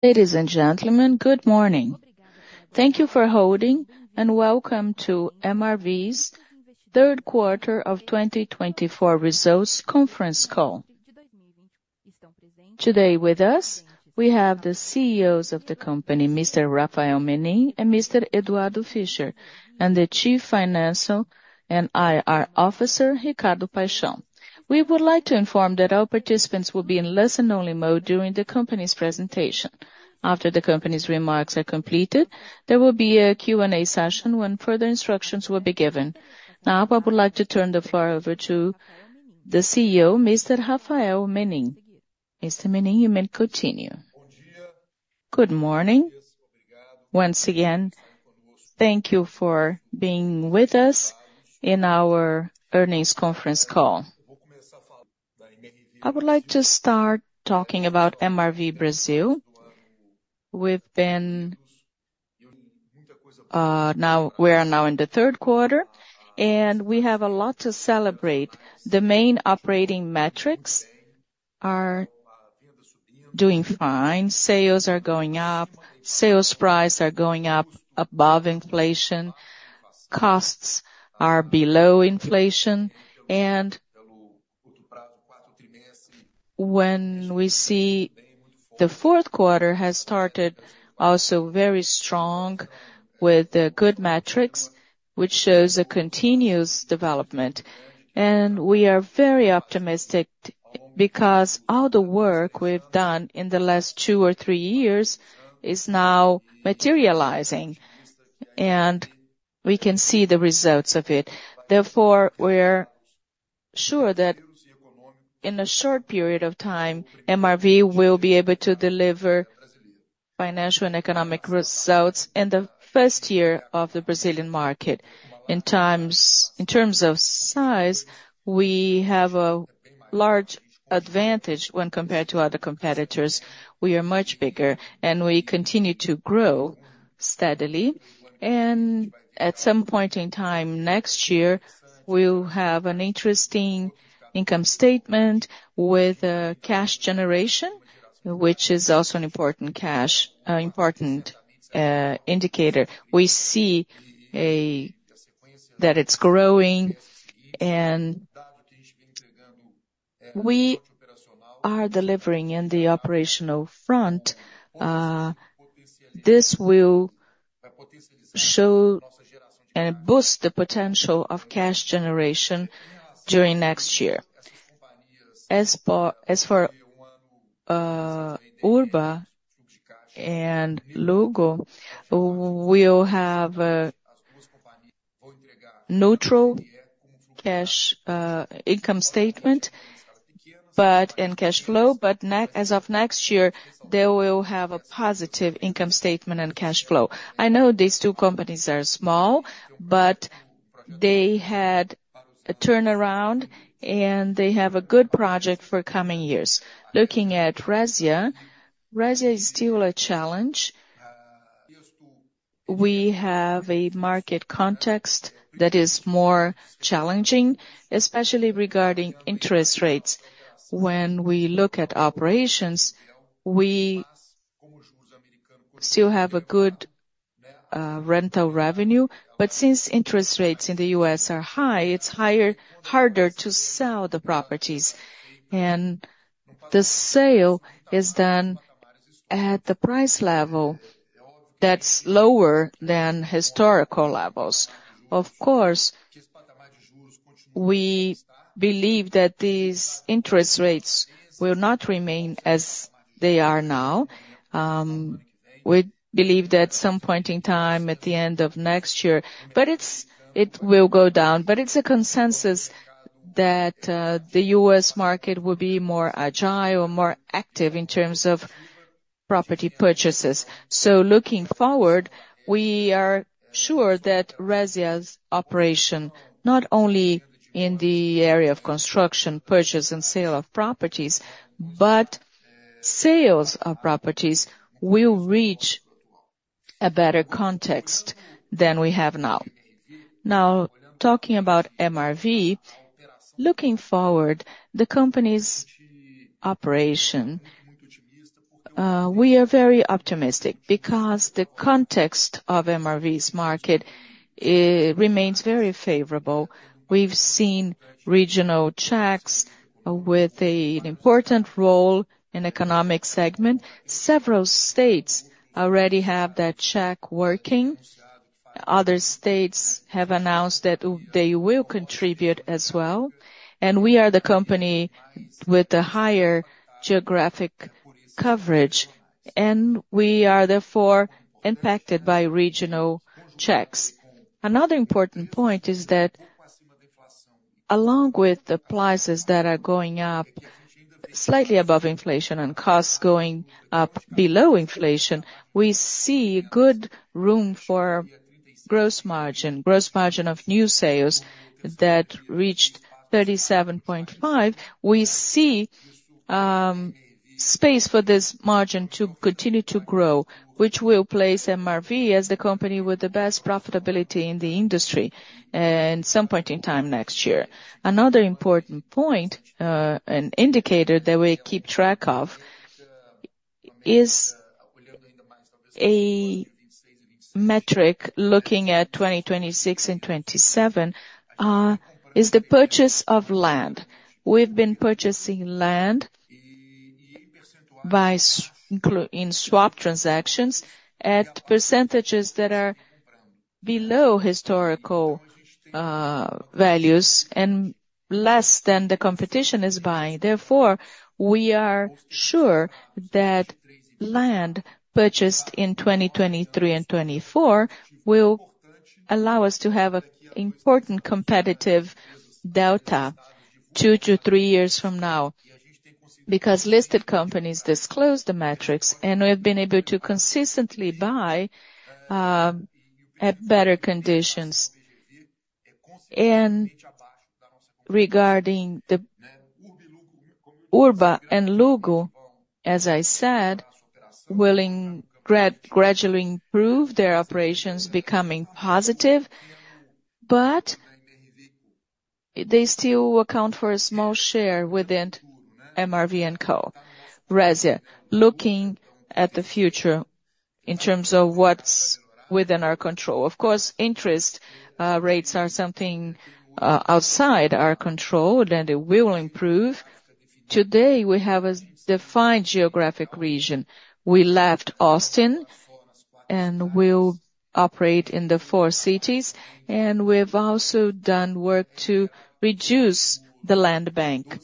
Ladies and gentlemen, good morning. Thank you for holding, and welcome to MRV's third quarter of 2024 results conference call. Today with us, we have the CEOs of the company, Mr. Rafael Menin and Mr. Eduardo Fischer, and the Chief Financial and IR Officer, Ricardo Paixão. We would like to inform that all participants will be in listen-only mode during the company's presentation. After the company's remarks are completed, there will be a Q&A session when further instructions will be given. Now, I would like to turn the floor over to the CEO, Mr. Rafael Menin. Mr. Menin, you may continue. Good morning. Once again, thank you for being with us in our earnings conference call. I would like to start talking about MRV Brasil. Now, we are in the third quarter, and we have a lot to celebrate. The main operating metrics are doing fine. Sales are going up. Sales price are going up above inflation. Costs are below inflation. And when we see the fourth quarter has started also very strong with good metrics, which shows a continuous development. And we are very optimistic because all the work we've done in the last two or three years is now materializing, and we can see the results of it. Therefore, we're sure that in a short period of time, MRV will be able to deliver financial and economic results in the first year of the Brazilian market. In terms of size, we have a large advantage when compared to other competitors. We are much bigger, and we continue to grow steadily. At some point in time next year, we'll have an interesting income statement with cash generation, which is also an important indicator. We see that it's growing, and we are delivering on the operational front. This will show and boost the potential of cash generation during next year. As for Urba and Lugo, we'll have a neutral cash income statement and cash flow, but as of next year, they will have a positive income statement and cash flow. I know these two companies are small, but they had a turnaround, and they have a good project for coming years. Looking at Resia, Resia is still a challenge. We have a market context that is more challenging, especially regarding interest rates. When we look at operations, we still have a good rental revenue, but since interest rates in the U.S. are high, it's harder to sell the properties. The sale is done at the price level that's lower than historical levels. Of course, we believe that these interest rates will not remain as they are now. We believe that at some point in time, at the end of next year, it will go down, but it's a consensus that the U.S. market will be more agile or more active in terms of property purchases. Looking forward, we are sure that Resia's operation, not only in the area of construction, purchase, and sale of properties, but sales of properties, will reach a better context than we have now. Now, talking about MRV, looking forward, the company's operation, we are very optimistic because the context of MRV's market remains very favorable. We've seen housing checks with an important role in the economic segment. Several states already have that check working. Other states have announced that they will contribute as well, and we are the company with the higher geographic coverage, and we are therefore impacted by regional checks. Another important point is that along with the prices that are going up slightly above inflation and costs going up below inflation, we see good room for gross margin. Gross margin of new sales that reached 37.5%. We see space for this margin to continue to grow, which will place MRV as the company with the best profitability in the industry at some point in time next year. Another important point, an indicator that we keep track of, is a metric looking at 2026 and 2027, is the purchase of land. We've been purchasing land in swap transactions at percentages that are below historical values and less than the competition is buying. Therefore, we are sure that land purchased in 2023 and 2024 will allow us to have an important competitive delta two to three years from now because listed companies disclose the metrics, and we've been able to consistently buy at better conditions. Regarding Urba and Lugo, as I said, we are willing to gradually improve their operations, becoming positive, but they still account for a small share within MRV&Co. Resia, looking at the future in terms of what's within our control. Of course, interest rates are something outside our control, and we will improve. Today, we have a defined geographic region. We left Austin and will operate in the four cities, and we've also done work to reduce the land bank.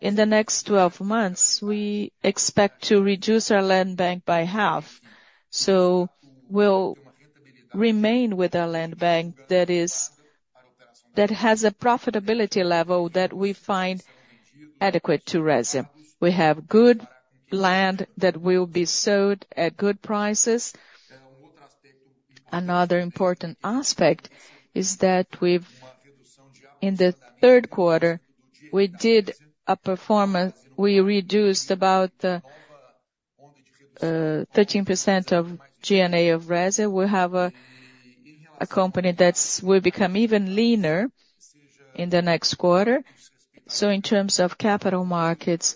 In the next 12 months, we expect to reduce our land bank by half. We'll remain with a land bank that has a profitability level that we find adequate to Resia. We have good land that will be sold at good prices. Another important aspect is that in the third quarter, we did a performance. We reduced about 13% of G&A of Resia. We have a company that will become even leaner in the next quarter. In terms of capital markets,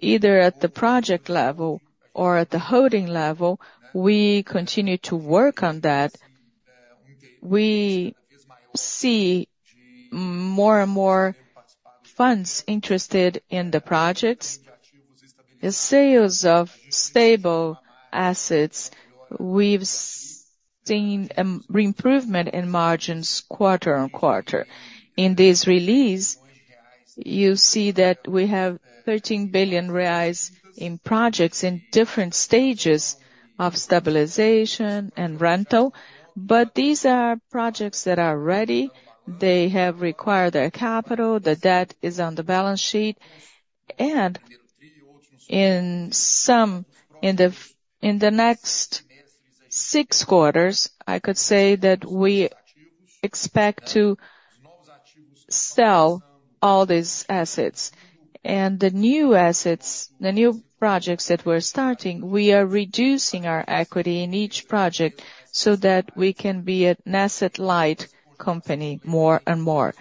either at the project level or at the holding level, we continue to work on that. We see more and more funds interested in the projects. The sales of stable assets, we've seen an improvement in margins quarter on quarter. In this release, you see that we have 13 billion reais in projects in different stages of stabilization and rental, but these are projects that are ready. They have required their capital. The debt is on the balance sheet. And in the next six quarters, I could say that we expect to sell all these assets. And the new projects that we're starting, we are reducing our equity in each project so that we can be an asset-light company more and more.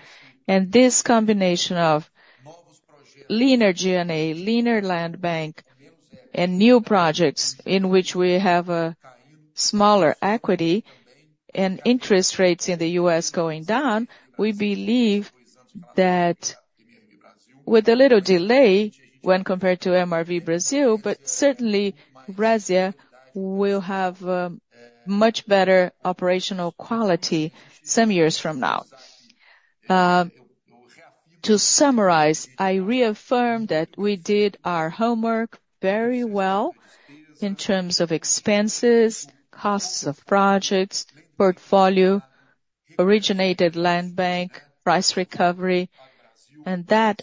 And this combination of leaner G&A, leaner land bank, and new projects in which we have a smaller equity and interest rates in the U.S. going down, we believe that with a little delay when compared to MRV Brazil, but certainly Resia will have much better operational quality some years from now. To summarize, I reaffirm that we did our homework very well in terms of expenses, costs of projects, portfolio, originated land bank, price recovery, and that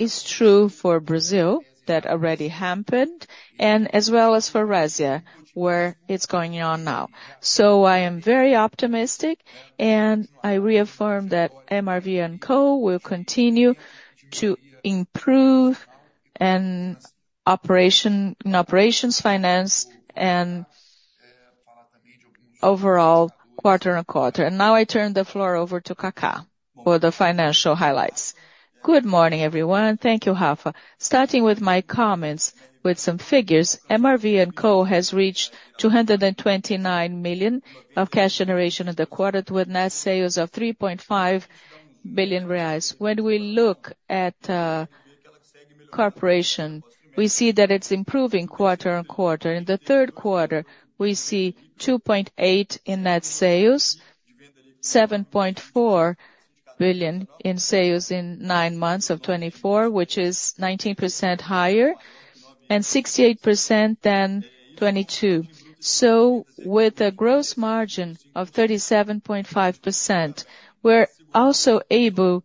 is true for Brazil that already happened, and as well as for Resia, where it's going on now. I am very optimistic, and I reaffirm that MRV&Co will continue to improve in operations, finance, and overall quarter on quarter. Now I turn the floor over to Kaká for the financial highlights. Good morning, everyone. Thank you, Rafa. Starting with my comments with some figures, MRV&Co has reached 229 million of cash generation in the quarter, with net sales of 3.5 billion reais. When we look at the corporation, we see that it's improving quarter on quarter. In the third quarter, we see 2.8 billion in net sales, 7.4 billion in sales in nine months of 2024, which is 19% higher and 68% than 2022. With a gross margin of 37.5%, we're also able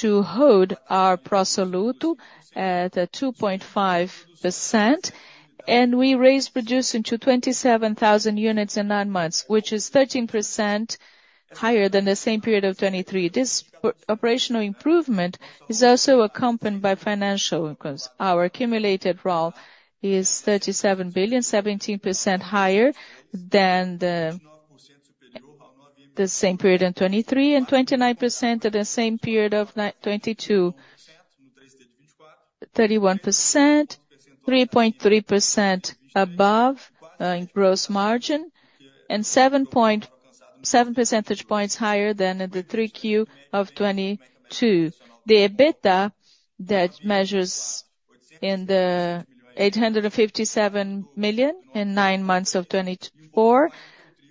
to hold Pro Soluto at 2.5%, and we raised production to 27,000 units in nine months, which is 13% higher than the same period of 2023. This operational improvement is also accompanied by financial income. Our accumulated revenue is 37 billion, 17% higher than the same period in 2023, and 29% higher than the same period of 2022, 31%, 3.3% above in gross margin, and 7.7 percentage points higher than the 3Q of 2022. The EBITDA came in at 857 million in nine months of 2024,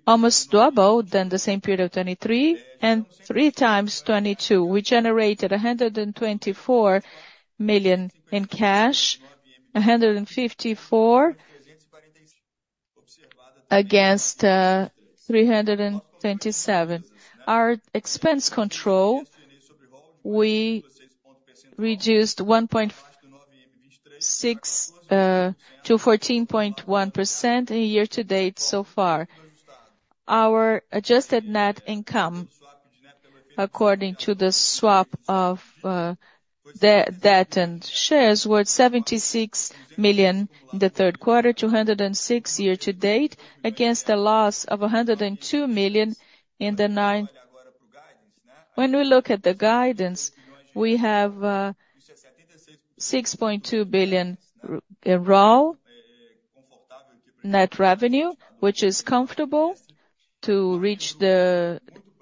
almost double than the same period of 2023, and three times 2022. We generated 124 million in cash, 154 million against 327 million. Our expense control, we reduced 16% to 14.1% year to date so far. Our adjusted net income, according to the swap of debt and shares, was 76 million in the third quarter, 206 million year to date, against a loss of 102 million in the nine. When we look at the guidance, we have 6.2 billion in raw net revenue, which is comfortable to reach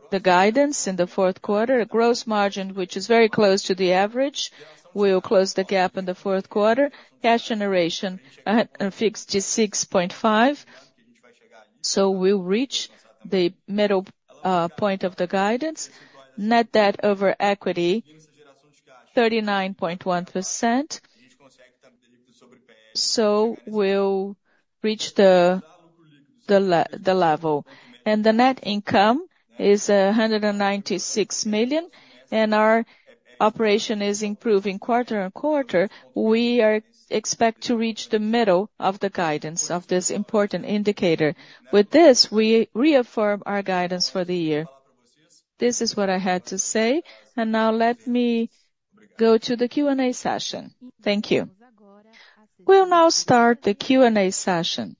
the guidance in the fourth quarter. A gross margin, which is very close to the average, will close the gap in the fourth quarter. Cash generation fixed to 6.5 billion. So we'll reach the middle point of the guidance. Net debt over equity, 39.1%. So we'll reach the level. And the net income is 196 million, and our operation is improving quarter on quarter. We expect to reach the middle of the guidance of this important indicator. With this, we reaffirm our guidance for the year. This is what I had to say. And now let me go to the Q&A session. Thank you. We'll now start the Q&A session.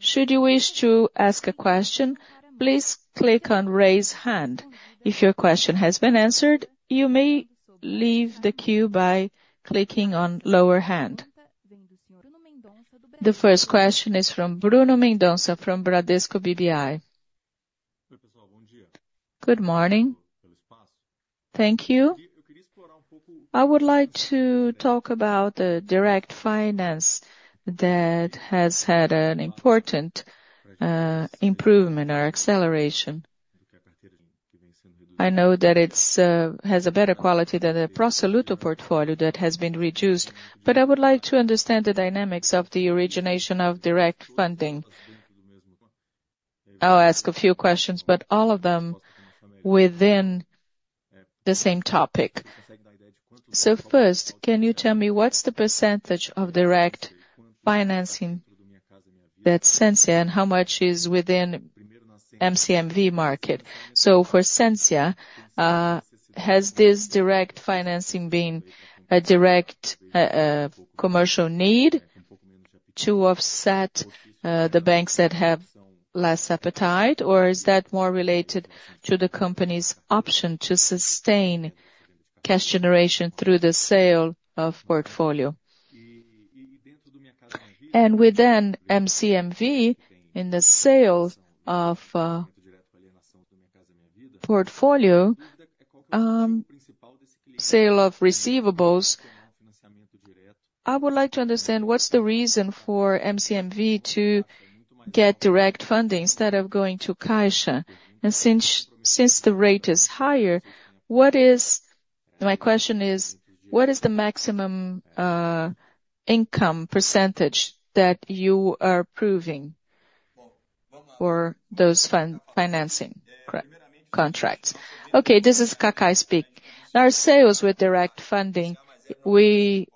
Should you wish to ask a question, please click on raise hand. If your question has been answered, you may leave the queue by clicking on lower hand. The first question is from Bruno Mendonça from Bradesco BBI. Good morning. Thank you. I would like to talk about the direct finance that has had an important improvement or acceleration. I know that it has a better quality than Pro Soluto portfolio that has been reduced, but I would like to understand the dynamics of the origination of direct funding. I'll ask a few questions, but all of them within the same topic. So first, can you tell me what's the percentage of direct financing that's Resia and how much is within MCMV market? So for Resia, has this direct financing been a direct commercial need to offset the banks that have less appetite, or is that more related to the company's option to sustain cash generation through the sale of portfolio? And within MCMV, in the sale of portfolio, sale of receivables, I would like to understand what's the reason for MCMV to get direct funding instead of going to Caixa. And since the rate is higher, what is my question: what is the maximum income percentage that you are providing for those financing contracts? Okay, this is Kaká speaking. Our sales with direct funding, we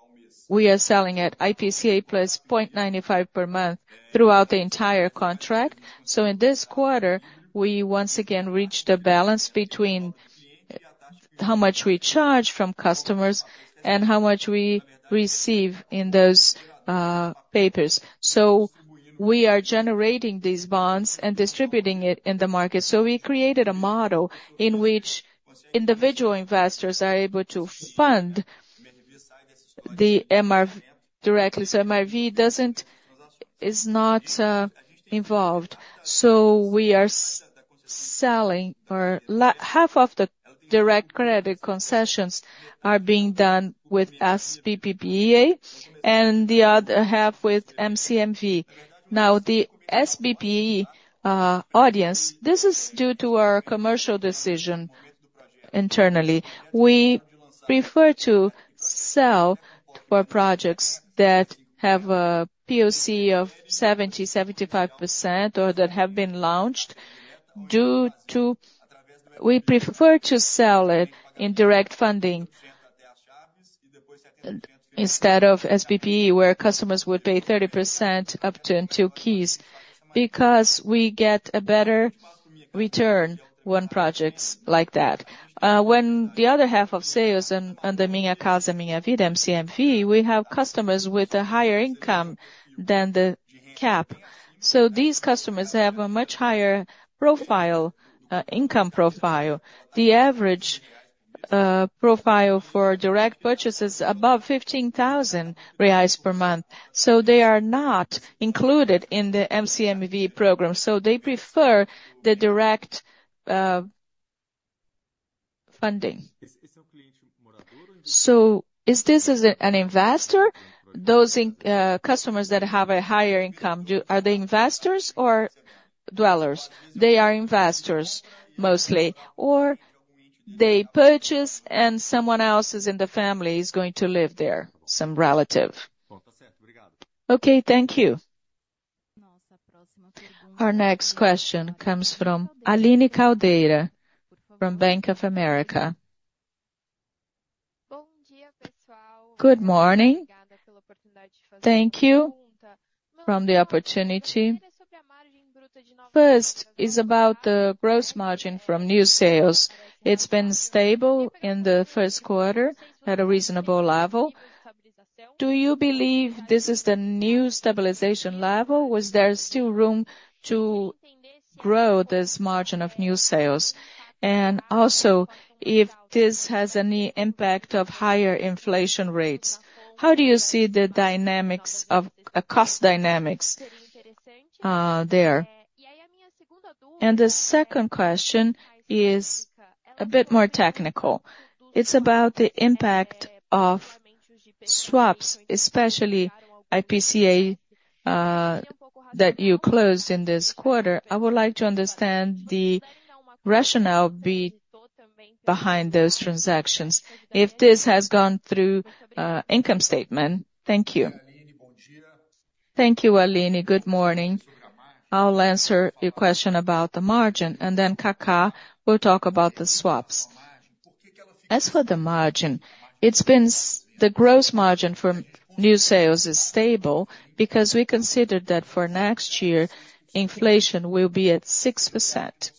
are selling at IPCA plus 0.95% per month throughout the entire contract. So in this quarter, we once again reached a balance between how much we charge from customers and how much we receive in those papers. We are generating these bonds and distributing it in the market. We created a model in which individual investors are able to fund the MRV directly. MRV is not involved. We are selling half of the direct credit concessions are being done with SBPE and the other half with MCMV. Now, the SBPE audience, this is due to our commercial decision internally. We prefer to sell for projects that have a POC of 70%-75% or that have been launched due to we prefer to sell it in direct funding instead of SBPE, where customers would pay 30% up to two keys because we get a better return on projects like that. When the other half of sales on the Minha Casa, Minha Vida MCMV, we have customers with a higher income than the cap. These customers have a much higher profile, income profile. The average profile for direct purchase is above 15,000 reais per month. So they are not included in the MCMV program. So they prefer the direct funding. So is this an investor? Those customers that have a higher income, are they investors or dwellers? They are investors mostly, or they purchase and someone else is in the family is going to live there, some relative. Okay, thank you. Our next question comes from Aline Caldeira from Bank of America. Good morning. Thank you. From the opportunity. First, it's about the gross margin from new sales. It's been stable in the first quarter at a reasonable level. Do you believe this is the new stabilization level? Was there still room to grow this margin of new sales? And also, if this has any impact of higher inflation rates, how do you see the dynamics of cost dynamics there? And the second question is a bit more technical. It's about the impact of swaps, especially IPCA that you closed in this quarter. I would like to understand the rationale behind those transactions. If this has gone through income statement, thank you. Thank you, Aline. Good morning. I'll answer your question about the margin, and then Kaká will talk about the swaps. As for the margin, it's been the gross margin for new sales is stable because we considered that for next year, inflation will be at 6%.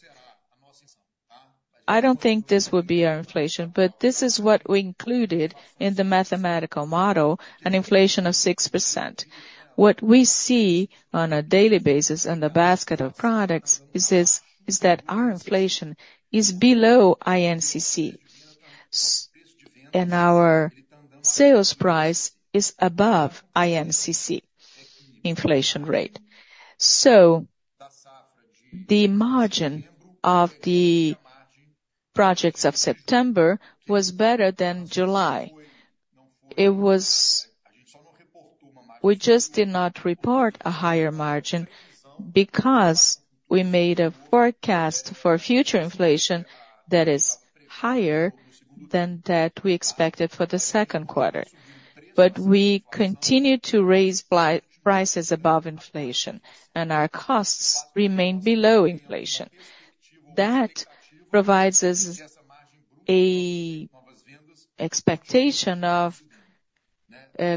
I don't think this would be our inflation, but this is what we included in the mathematical model, an inflation of 6%. What we see on a daily basis in the basket of products is that our inflation is below INCC, and our sales price is above INCC inflation rate. So the margin of the projects of September was better than July. We just did not report a higher margin because we made a forecast for future inflation that is higher than that we expected for the second quarter, but we continue to raise prices above inflation, and our costs remain below inflation. That provides us an expectation of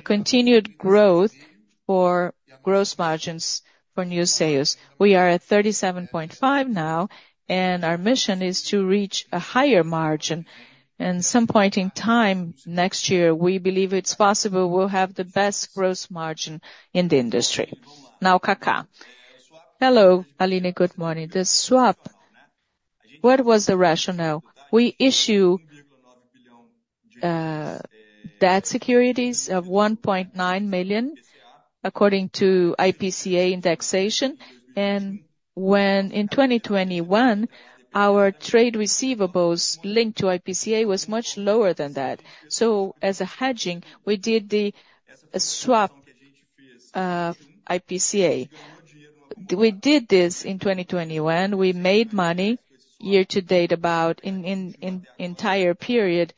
continued growth for gross margins for new sales. We are at 37.5% now, and our mission is to reach a higher margin. At some point in time next year, we believe it's possible we'll have the best gross margin in the industry. Now, Kaká. Hello, Aline, good morning. The swap, what was the rationale? We issue debt securities of 1.9 million according to IPCA indexation, and when in 2021, our trade receivables linked to IPCA was much lower than that. So as a hedging, we did the swap IPCA. We did this in 2021. We made money year to date about in the entire period,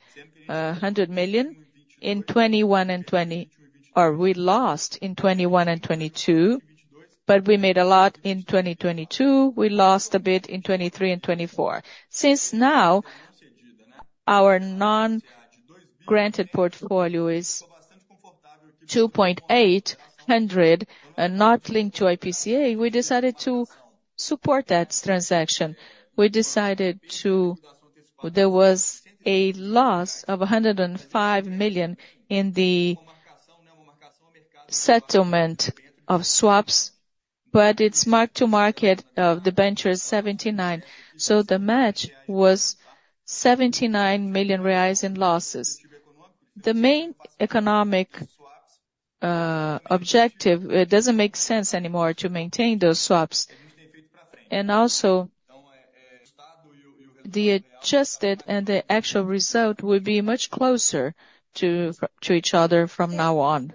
100 million in 2021 and 2022, or we lost in 2021 and 2022, but we made a lot in 2022. We lost a bit in 2023 and 2024. Since now, our non-granted portfolio is 2.8 billion and not linked to IPCA. We decided to support that transaction. We decided to there was a loss of 105 million in the settlement of swaps, but it's marked to market of the venture is 79 million. So the match was 79 million reais in losses. The main economic objective doesn't make sense anymore to maintain those swaps. And also, the adjusted and the actual result would be much closer to each other from now on.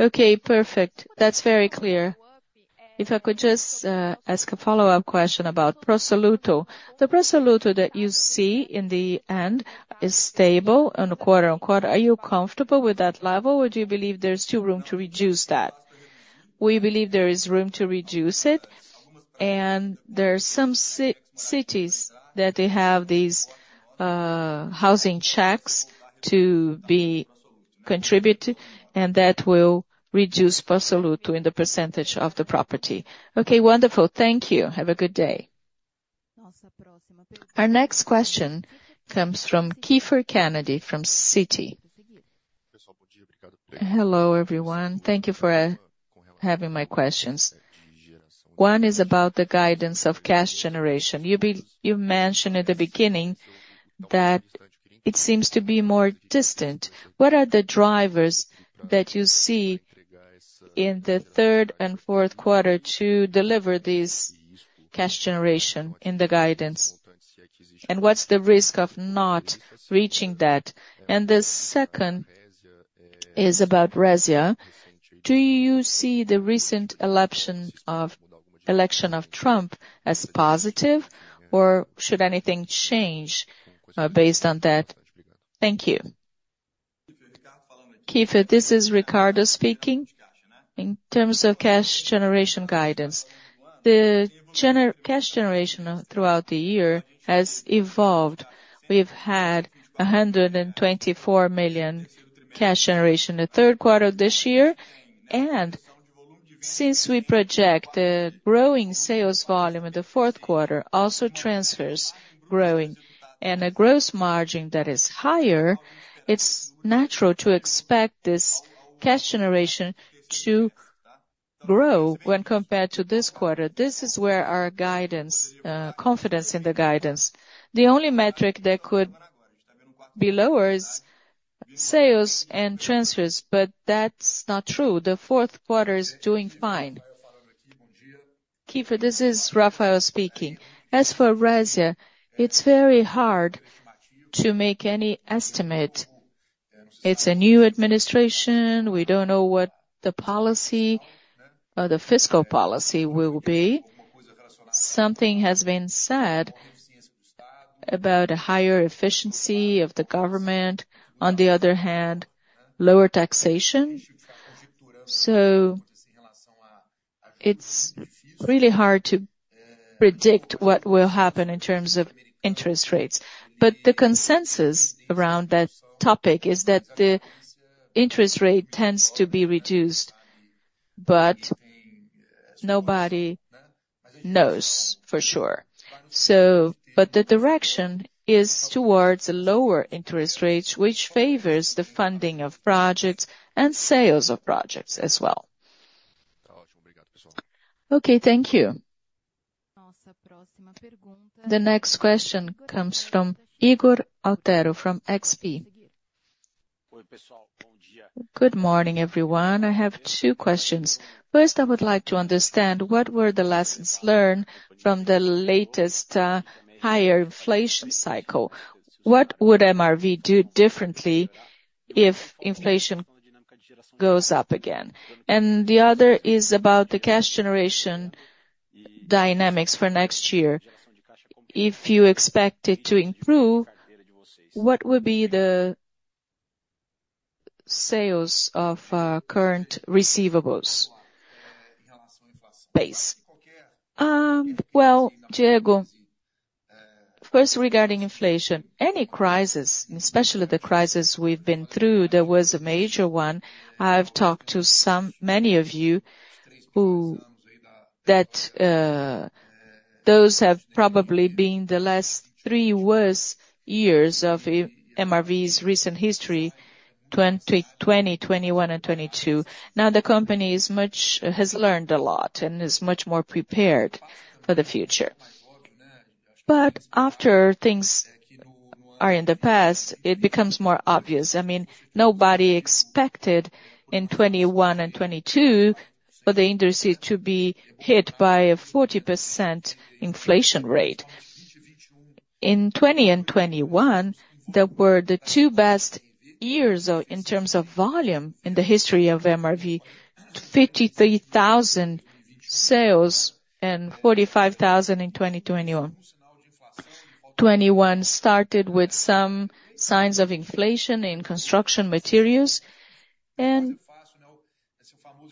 Okay, perfect. That's very clear. If I could just ask a follow-up question Pro Soluto that you see in the end is stable on the quarter on quarter. Are you comfortable with that level, or do you believe there's still room to reduce that? We believe there is room to reduce it, and there are some cities that they have these housing checks to be contributed, and that will Pro Soluto in the percentage of the property. Okay, wonderful. Thank you. Have a good day. Our next question comes from Kiepher Kennedy from Citi. Hello, everyone. Thank you for having my questions. One is about the guidance of cash generation. You mentioned at the beginning that it seems to be more distant. What are the drivers that you see in the third and fourth quarter to deliver this cash generation in the guidance? And what's the risk of not reaching that? And the second is about Resia. Do you see the recent election of Trump as positive, or should anything change based on that? Thank you. Kiepher, this is Ricardo speaking. In terms of cash generation guidance, the cash generation throughout the year has evolved. We've had 124 million cash generation in the third quarter of this year, and since we project the growing sales volume in the fourth quarter, also transfers growing, and a gross margin that is higher, it's natural to expect this cash generation to grow when compared to this quarter. This is where our guidance, confidence in the guidance. The only metric that could be lower is sales and transfers, but that's not true. The fourth quarter is doing fine. Kiepher, this is Rafael speaking. As for Resia, it's very hard to make any estimate. It's a new administration. We don't know what the policy, the fiscal policy will be. Something has been said about a higher efficiency of the government. On the other hand, lower taxation. So it's really hard to predict what will happen in terms of interest rates. But the consensus around that topic is that the interest rate tends to be reduced, but nobody knows for sure. But the direction is towards lower interest rates, which favors the funding of projects and sales of projects as well. Okay, thank you. The next question comes from Ygor Altero from XP. Good morning, everyone. I have two questions. First, I would like to understand what were the lessons learned from the latest higher inflation cycle? What would MRV do differently if inflation goes up again? And the other is about the cash generation dynamics for next year. If you expect it to improve, what would be the sales of current receivables base? Ygor, first regarding inflation, any crisis, especially the crisis we've been through, there was a major one. I've talked to many of you that those have probably been the last three worst years of MRV's recent history, 2021 and 2022. Now the company has learned a lot and is much more prepared for the future. But after things are in the past, it becomes more obvious. I mean, nobody expected in 2021 and 2022 for the industry to be hit by a 40% inflation rate. In 2020 and 2021, there were the two best years in terms of volume in the history of MRV, 53,000 sales and 45,000 in 2021. 2021 started with some signs of inflation in construction materials, and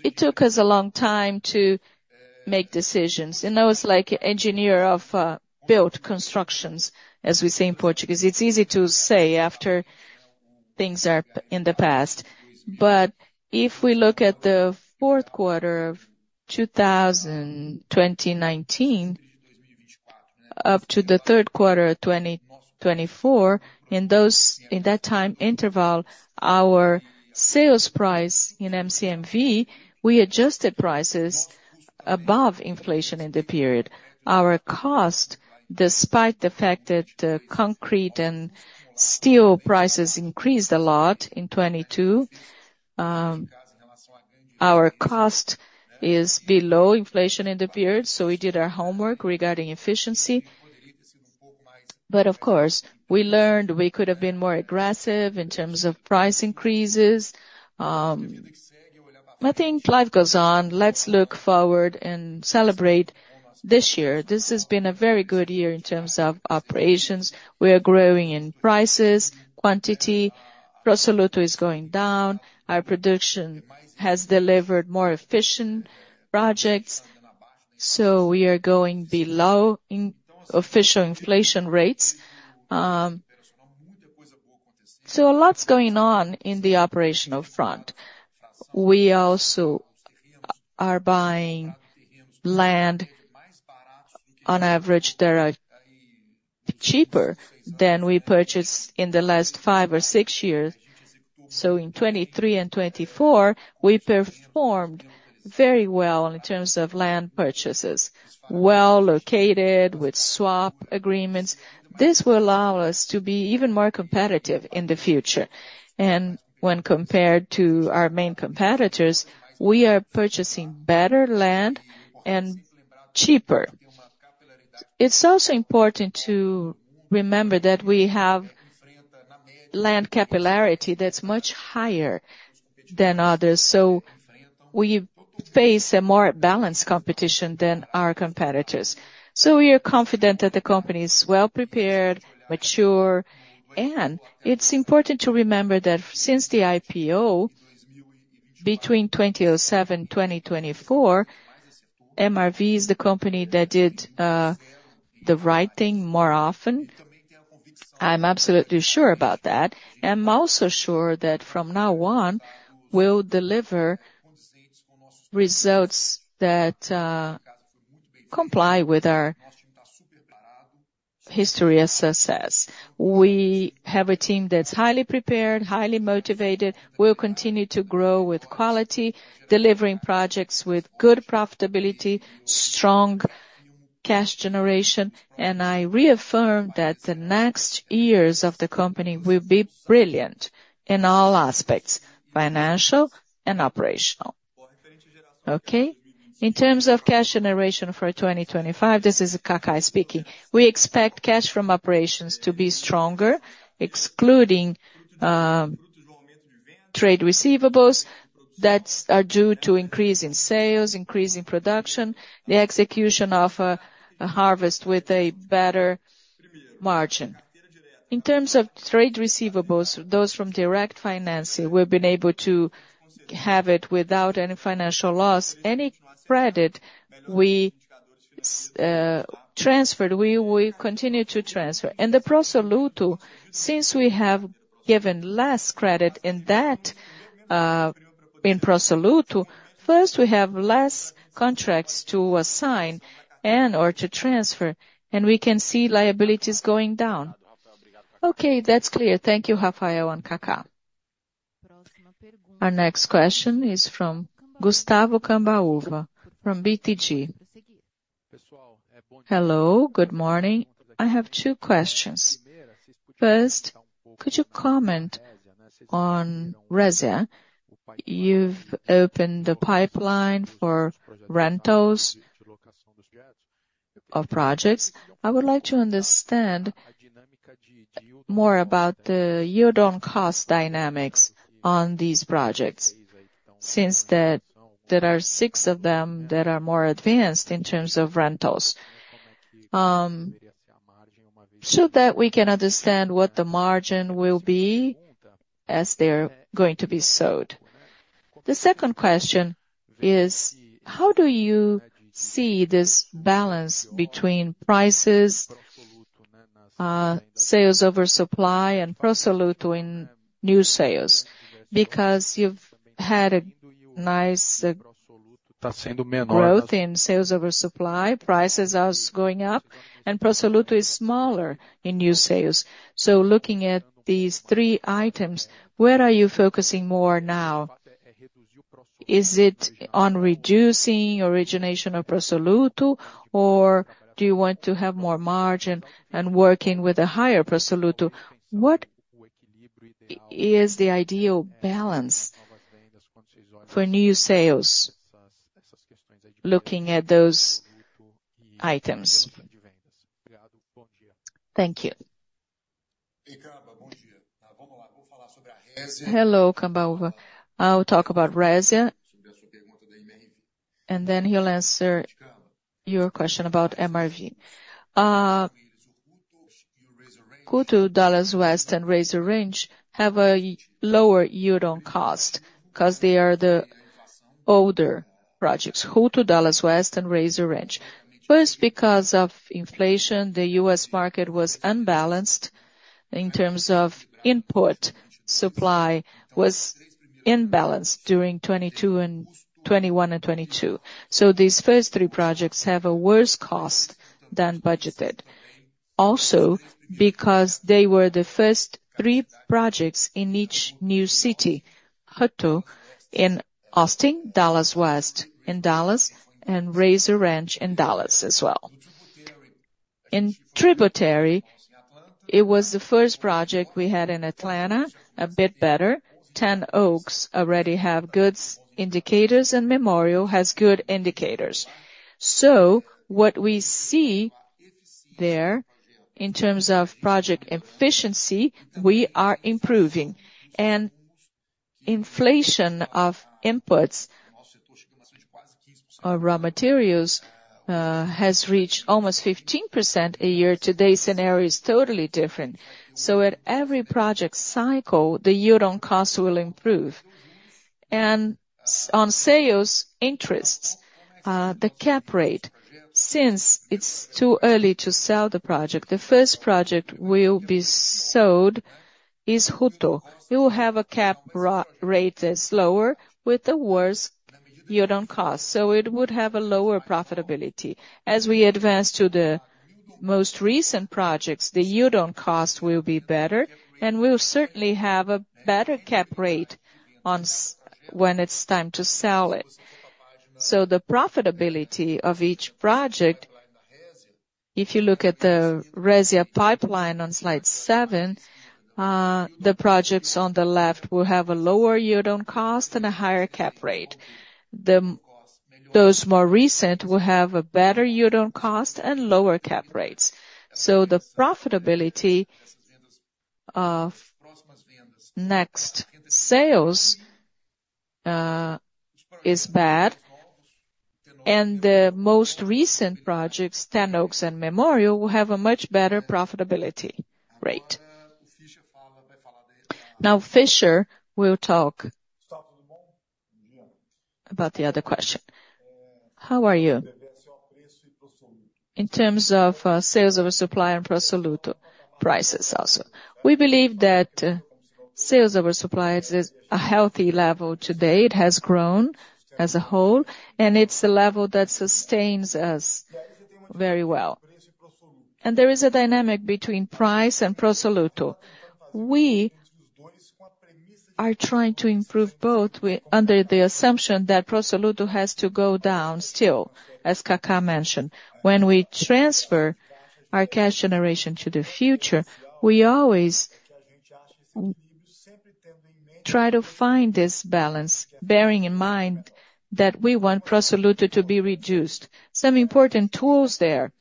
it took us a long time to make decisions. I was like an engineer of built constructions, as we say in Portuguese. It's easy to say after things are in the past. But if we look at the fourth quarter of 2019 up to the third quarter of 2024, in that time interval, our sales price in MCMV, we adjusted prices above inflation in the period. Our cost, despite the fact that concrete and steel prices increased a lot in 2022, our cost is below inflation in the period. So we did our homework regarding efficiency. But of course, we learned we could have been more aggressive in terms of price increases. I think life goes on. Let's look forward and celebrate this year. This has been a very good year in terms of operations. We are growing in prices, Pro Soluto is going down. Our production has delivered more efficient projects. So we are going below official inflation rates. So a lot's going on in the operational front. We also are buying land. On average, they're cheaper than we purchased in the last five or six years. So in 2023 and 2024, we performed very well in terms of land purchases, well located with swap agreements. This will allow us to be even more competitive in the future. And when compared to our main competitors, we are purchasing better land and cheaper. It's also important to remember that we have land capillarity that's much higher than others. So we face a more balanced competition than our competitors. So we are confident that the company is well prepared, mature. And it's important to remember that since the IPO between 2007 and 2024, MRV is the company that did the right thing more often. I'm absolutely sure about that. I'm also sure that from now on, we'll deliver results that comply with our history as success. We have a team that's highly prepared, highly motivated. We'll continue to grow with quality, delivering projects with good profitability, strong cash generation. And I reaffirm that the next years of the company will be brilliant in all aspects, financial and operational. Okay? In terms of cash generation for 2025, this is Kaká speaking. We expect cash from operations to be stronger, excluding trade receivables that are due to increasing sales, increasing production, the execution of a harvest with a better margin. In terms of trade receivables, those from direct financing, we've been able to have it without any financial loss. Any credit we transferred, we will continue to transfer. And Pro Soluto, since we have given less credit in Pro Soluto, first, we have less contracts to assign and/or to transfer, and we can see liabilities going down. Okay, that's clear. Thank you, Rafael and Kaká. Our next question is from Gustavo Cambauva from BTG. Hello, good morning. I have two questions. First, could you comment on Resia? You've opened the pipeline for rentals of projects. I would like to understand more about the yield-on-cost dynamics on these projects, since there are six of them that are more advanced in terms of rentals. So that we can understand what the margin will be as they're going to be sold. The second question is, how do you see this balance between Prices, Sales over Supply, and Pro Soluto in new sales? Because you've had a nice growth in Sales over Supply, prices are going up, Pro Soluto is smaller in new sales. So looking at these three items, where are you focusing more now? Is it on reducing origination Pro Soluto, or do you want to have more margin and working with a higher Pro Soluto? What is the ideal balance for new sales, looking at those items? Thank you. Hello, Cambauva. I'll talk about Resia. Then he'll answer your question about MRV. Hutto, Dallas West, and Rayzor Ranch have a lower yield-on-cost because they are the older projects. Hutto, Dallas West, and Rayzor Ranch. First, because of inflation, the U.S. market was unbalanced in terms of input supply and was imbalanced during 2021 and 2022. These first three projects have a worse cost than budgeted. Also, because they were the first three projects in each new city, Hutto, in Austin, Dallas West, in Dallas, and Rayzor Ranch in Dallas as well. In Tributary, it was the first project we had in Atlanta, a bit better. Ten Oaks already have good indicators, and Memorial has good indicators. What we see there in terms of project efficiency, we are improving. Inflation of inputs of raw materials has reached almost 15% a year. Today's scenario is totally different. At every project cycle, the yield-on-cost will improve. On sales interests, the cap rate, since it's too early to sell the project, the first project we'll be sold is Hutto. We will have a cap rate that's lower with a worse yield-on-cost. It would have a lower profitability. As we advance to the most recent projects, the yield-on-cost will be better, and we'll certainly have a better cap rate when it's time to sell it. The profitability of each project, if you look at the Resia pipeline on slide seven, the projects on the left will have a lower yield-on-cost and a higher cap rate. Those more recent will have a better yield-on-cost and lower cap rates. The profitability of next sales is bad. The most recent projects, Ten Oaks and Memorial, will have a much better profitability rate. Now, Fischer will talk about the other question. How are you? In terms of Sales over Supply Pro Soluto prices also. We believe that Sales over Supply is a healthy level today. It has grown as a whole, and it's a level that sustains us very well. There is a dynamic between price Pro Soluto. we are trying to improve both under the assumption Pro Soluto has to go down still, as Kaká mentioned. When we transfer our cash generation to the future, we always try to find this balance, bearing in mind that we Pro Soluto to be reduced. Some important tools there,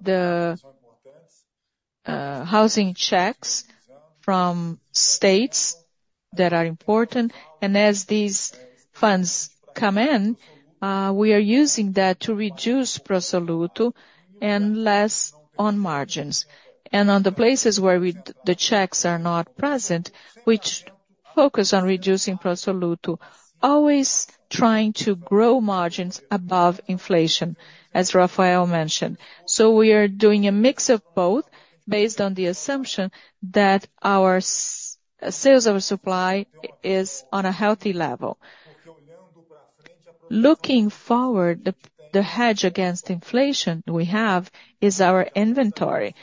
the housing checks from states that are important. As these funds come in, we are using that to Pro Soluto and less on margins. On the places where the checks are not present, we focus on Pro Soluto, always trying to grow margins above inflation, as Rafael mentioned. We are doing a mix of both based on the assumption that our Sales over Supply is on a healthy level. Looking forward, the hedge against inflation we have is our inventory.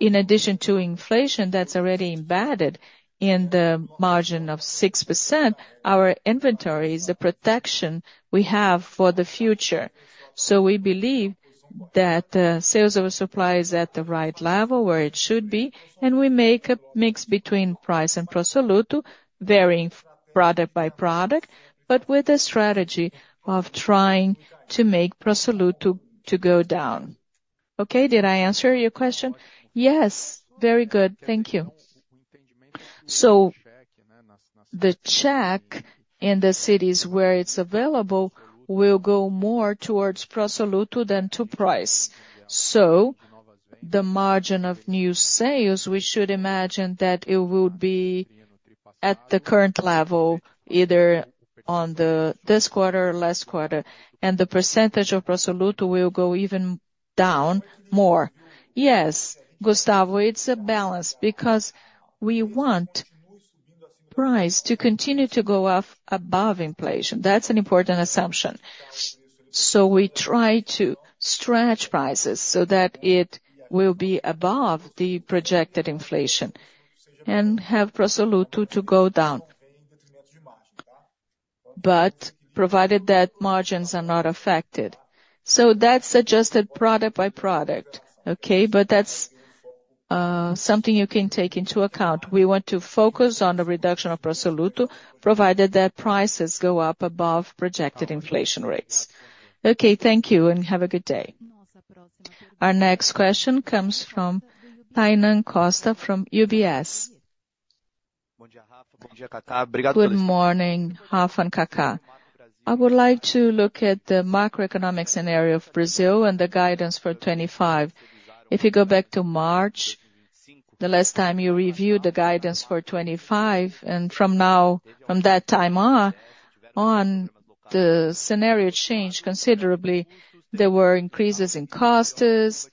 In addition to inflation that's already embedded in the margin of 6%, our inventory is the protection we have for the future. We believe that Sales over Supply is at the right level where it should be. We make a mix between price Pro Soluto, varying product by product, but with a strategy of trying to Pro Soluto go down. Okay? Did I answer your question? Yes. Very good. Thank you. The check in the cities where it's available will go more Pro Soluto than to price. So the margin of new sales, we should imagine that it will be at the current level, either on this quarter or last quarter. And the percentage Pro Soluto will go even down more. Yes, Gustavo, it's a balance because we want price to continue to go up above inflation. That's an important assumption. So we try to stretch prices so that it will be above the projected inflation and Pro Soluto to go down, but provided that margins are not affected. So that's adjusted product by product, okay? But that's something you can take into account. We want to focus on the reduction Pro Soluto, provided that prices go up above projected inflation rates. Okay, thank you, and have a good day. Our next question comes from Tainan Costa from UBS. Good morning, Rafa and Kaká. I would like to look at the macroeconomic scenario of Brazil and the guidance for 2025. If you go back to March, the last time you reviewed the guidance for 2025, and from that time on, the scenario changed considerably. There were increases in costs,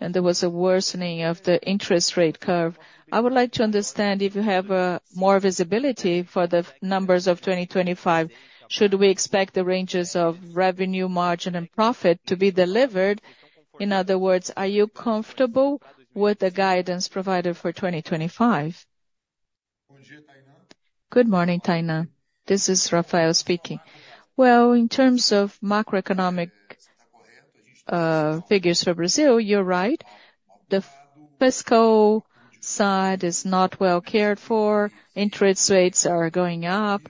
and there was a worsening of the interest rate curve. I would like to understand if you have more visibility for the numbers of 2025. Should we expect the ranges of revenue, margin, and profit to be delivered? In other words, are you comfortable with the guidance provided for 2025? Good morning, Tainan. This is Rafael speaking. Well, in terms of macroeconomic figures for Brazil, you're right. The fiscal side is not well cared for. Interest rates are going up,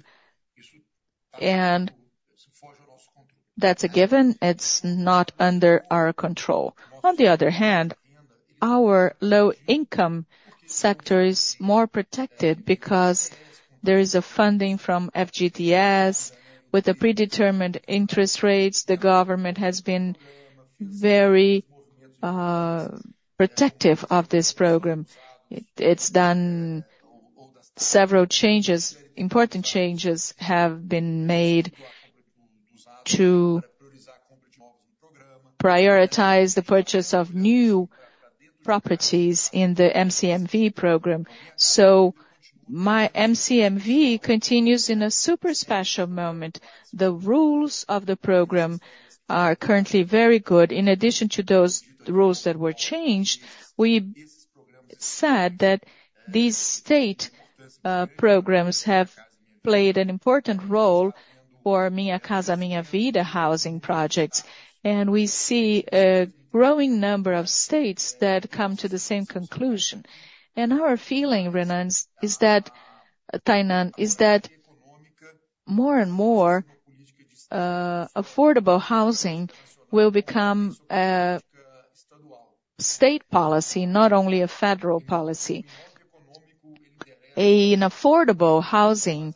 and that's a given. It's not under our control. On the other hand, our low-income sector is more protected because there is funding from FGTS with predetermined interest rates. The government has been very protective of this program. It's done several changes. Important changes have been made to prioritize the purchase of new properties in the MCMV program. So my MCMV continues in a super special moment. The rules of the program are currently very good. In addition to those rules that were changed, we said that these state programs have played an important role for Minha Casa, Minha Vida housing projects. And we see a growing number of states that come to the same conclusion. And our feeling, Tainan, is that more and more affordable housing will become state policy, not only a federal policy. In affordable housing,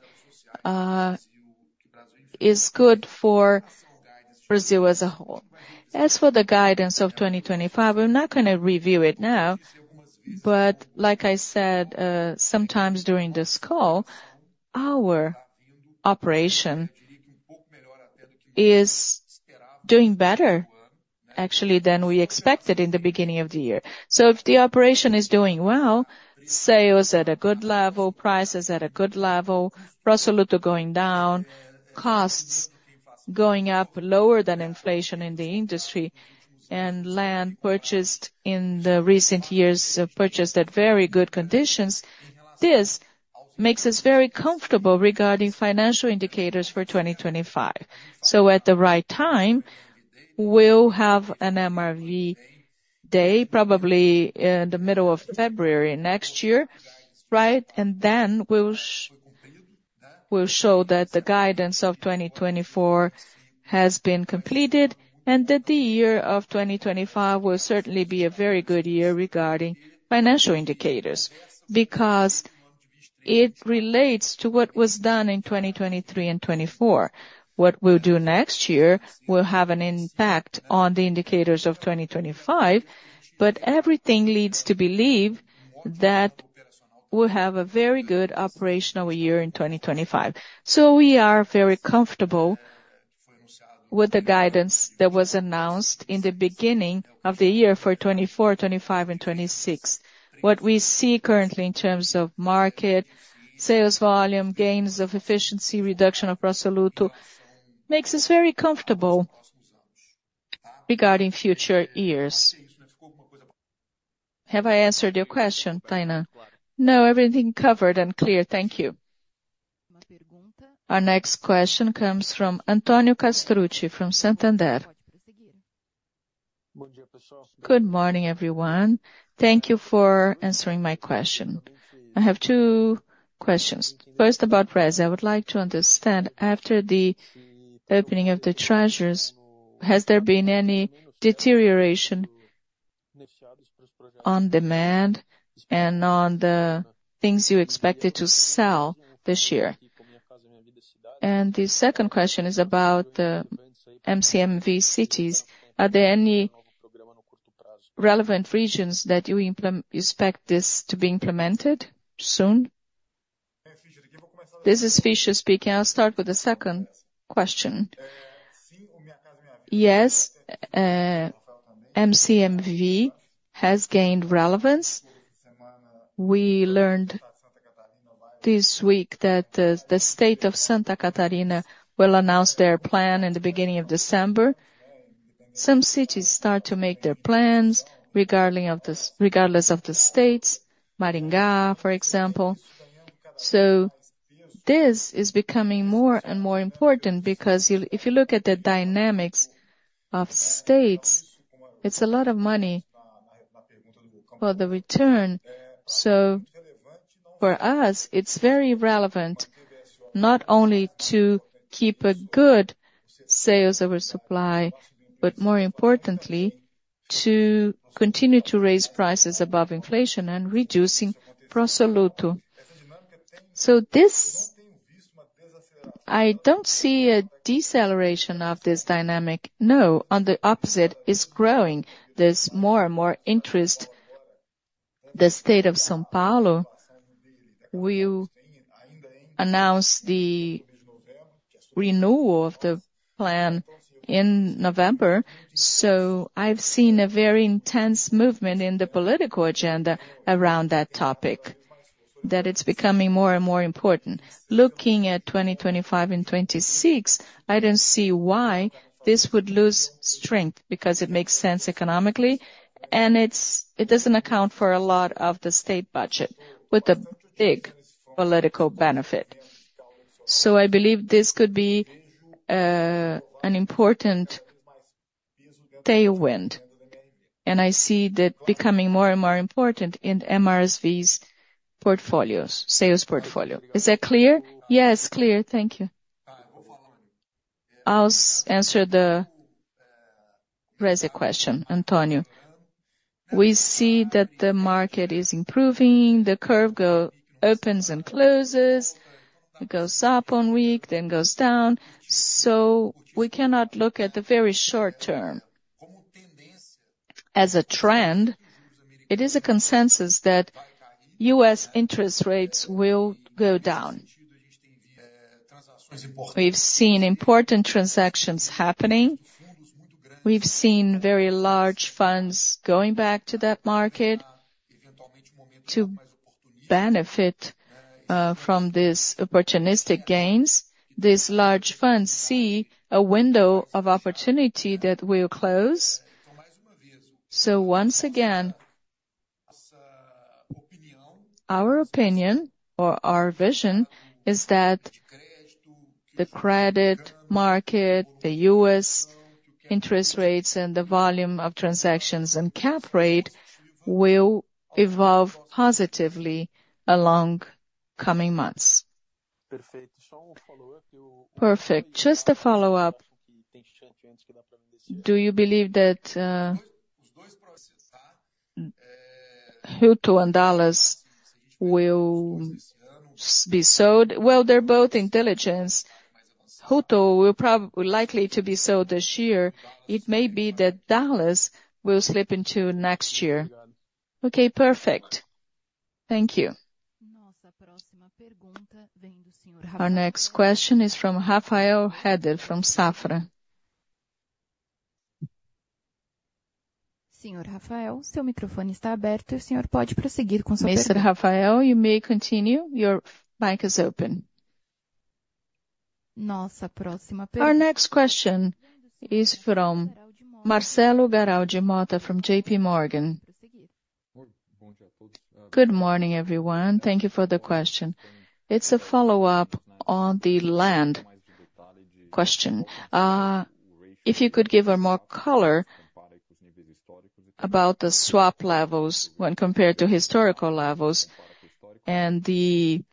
it is good for Brazil as a whole. As for the guidance of 2025, we're not going to review it now, but like I said sometimes during this call, our operation is doing better, actually, than we expected in the beginning of the year. So if the operation is doing well, sales at a good level, prices at a level, Pro Soluto going down, costs going up lower than inflation in the industry, and land purchased in the recent years at very good conditions, this makes us very comfortable regarding financial indicators for 2025. So at the right time, we'll have an MRV day, probably in the middle of February next year, right? And then we'll show that the guidance of 2024 has been completed and that the year of 2025 will certainly be a very good year regarding financial indicators because it relates to what was done in 2023 and 2024. What we'll do next year will have an impact on the indicators of 2025, but everything leads to believe that we'll have a very good operational year in 2025. So we are very comfortable with the guidance that was announced in the beginning of the year for 2024, 2025, and 2026. What we see currently in terms of market, sales volume, gains of efficiency, reduction Pro Soluto makes us very comfortable regarding future years. Have I answered your question, Tainan? No, everything covered and clear. Thank you. Our next question comes from Antonio Castrucci from Santander. Good morning, everyone. Thank you for answering my question. I have two questions. First, about Resia. I would like to understand, after the opening of the treasuries, has there been any deterioration on demand and on the things you expected to sell this year? And the second question is about the MCMV cities. Are there any relevant regions that you expect this to be implemented soon? This is Eduardo Fischer speaking. I'll start with the second question. Yes, MCMV has gained relevance. We learned this week that the state of Santa Catarina will announce their plan in the beginning of December. Some cities start to make their plans regardless of the states, Maringá, for example. So this is becoming more and more important because if you look at the dynamics of states, it's a lot of money for the return. So for us, it's very relevant not only to keep a good Sales over Supply, but more importantly, to continue to raise prices above inflation and reducing Pro Soluto. So I don't see a deceleration of this dynamic. No, on the opposite, it's growing. There's more and more interest. The state of São Paulo will announce the renewal of the plan in November. So I've seen a very intense movement in the political agenda around that topic, that it's becoming more and more important. Looking at 2025 and 2026, I don't see why this would lose strength because it makes sense economically, and it doesn't account for a lot of the state budget with a big political benefit. So I believe this could be an important tailwind, and I see that becoming more and more important in MRV's portfolios, sales portfolio. Is that clear? Yes, clear. Thank you. I'll answer the Resia question, Antonio. We see that the market is improving. The curve opens and closes. It goes up one week, then goes down. So we cannot look at the very short term. As a trend, it is a consensus that U.S. interest rates will go down. We've seen important transactions happening. We've seen very large funds going back to that market to benefit from these opportunistic gains. These large funds see a window of opportunity that will close. So once again, our opinion, or our vision, is that the credit market, the U.S. interest rates, and the volume of transactions and cap rate will evolve positively along coming months. Perfect. Just a follow-up. Do you believe that Hutto and Dallas will be sold? Well, they're both in diligence. Hutto will likely be sold this year. It may be that Dallas will slip into next year. Okay, perfect. Thank you. Our next question is from Rafael Rehder, from Safra. Mr. Rafael, you may continue. Your mic is open. Our next question is from Marcelo Motta, from JPMorgan. Good morning, everyone. Thank you for the question. It's a follow-up on the land question. If you could give more color about the swap levels when compared to historical levels and the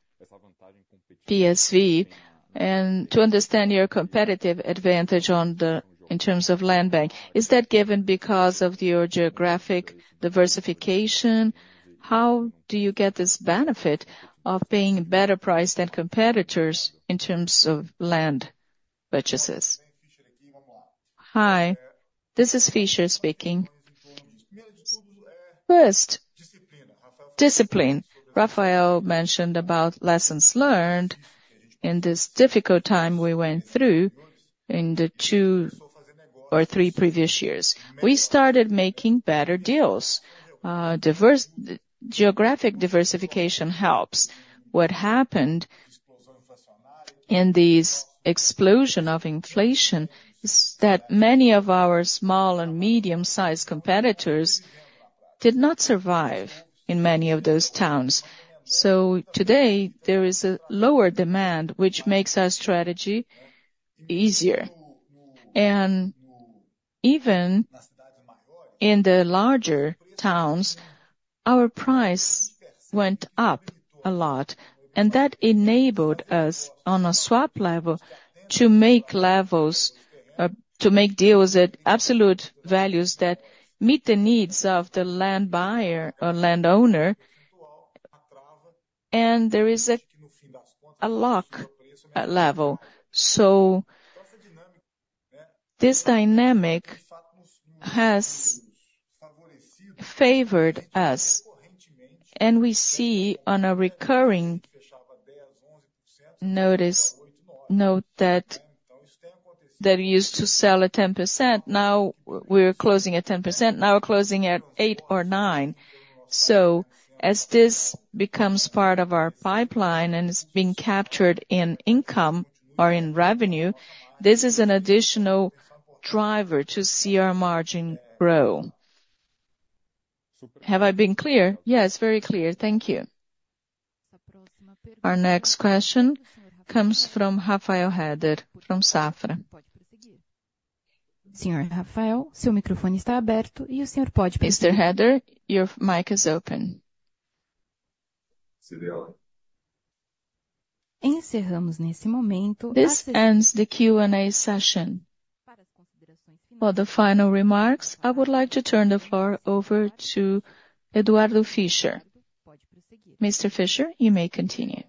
PSV, and to understand your competitive advantage in terms of land bank, is that given because of your geographic diversification? How do you get this benefit of paying a better price than competitors in terms of land purchases? Hi, this is Fischer speaking. First, discipline. Rafael mentioned about lessons learned in this difficult time we went through in the two or three previous years. We started making better deals. Geographic diversification helps. What happened in this explosion of inflation is that many of our small and medium-sized competitors did not survive in many of those towns. So today, there is a lower demand, which makes our strategy easier. And even in the larger towns, our price went up a lot, and that enabled us on a swap level to make deals at absolute values that meet the needs of the land buyer or land owner, and there is a lock level. So this dynamic has favored us, and we see on a recurring notice note that we used to sell at 10%. Now we're closing at 10%. Now we're closing at 8% or 9%. So as this becomes part of our pipeline and is being captured in income or in revenue, this is an additional driver to see our margin grow. Have I been clear? Yes, very clear. Thank you. Our next question comes from Rafael Rehder from Safra. Mr. Rehder, your mic is open. This ends the Q&A session. For the final remarks, I would like to turn the floor over to Eduardo Fischer. Mr. Fischer, you may continue.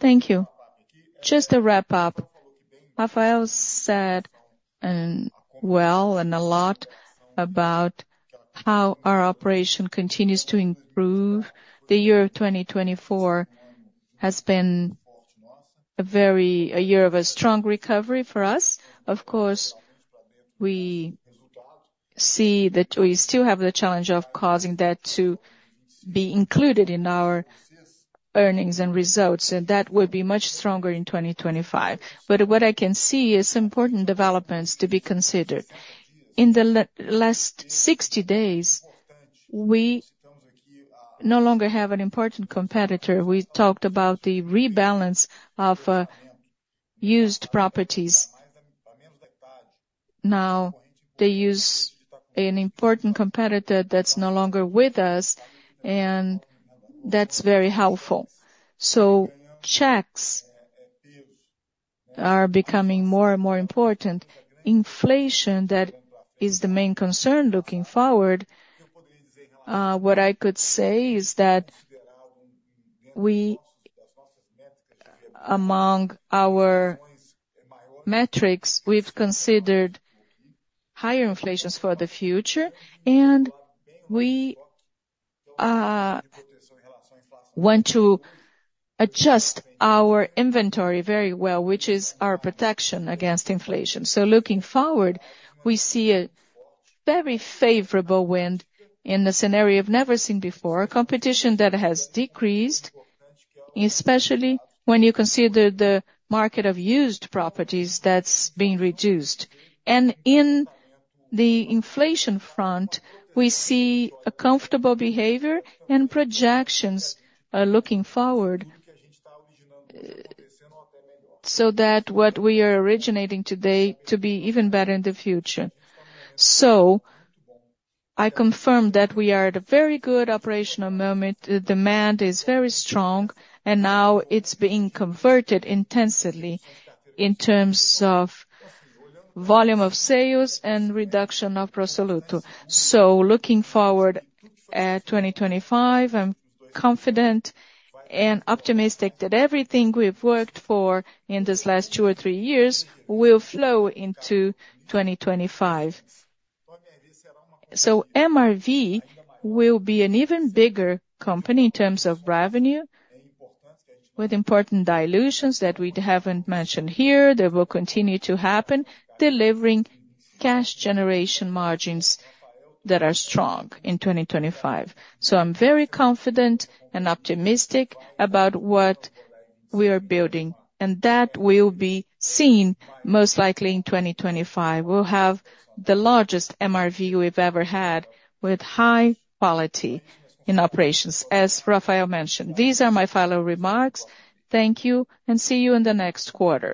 Thank you. Just to wrap up, Rafael said well and a lot about how our operation continues to improve. The year of 2024 has been a year of a strong recovery for us. Of course, we see that we still have the challenge of causing that to be included in our earnings and results, and that would be much stronger in 2025. But what I can see is important developments to be considered. In the last 60 days, we no longer have an important competitor. We talked about the rebalance of used properties. Now they use an important competitor that's no longer with us, and that's very helpful. So checks are becoming more and more important. Inflation, that is the main concern looking forward. What I could say is that among our metrics, we've considered higher inflations for the future, and we want to adjust our inventory very well, which is our protection against inflation. So looking forward, we see a very favorable wind in a scenario we've never seen before, competition that has decreased, especially when you consider the market of used properties that's being reduced, and in the inflation front, we see a comfortable behavior and projections looking forward so that what we are originating today to be even better in the future, so I confirm that we are at a very good operational moment. The demand is very strong, and now it's being converted intensively in terms of volume of sales and reduction Pro Soluto, so looking forward at 2025, I'm confident and optimistic that everything we've worked for in these last two or three years will flow into 2025. So MRV will be an even bigger company in terms of revenue, with important dilutions that we haven't mentioned here that will continue to happen, delivering cash generation margins that are strong in 2025. So I'm very confident and optimistic about what we are building, and that will be seen most likely in 2025. We'll have the largest MRV we've ever had with high quality in operations, as Rafael mentioned. These are my final remarks. Thank you, and see you in the next quarter.